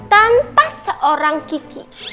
tanpa seorang kiki